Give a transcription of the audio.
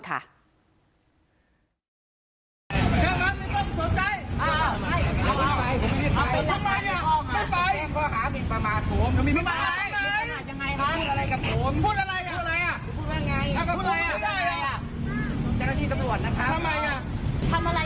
ทำอะไรคุณหรือเปล่า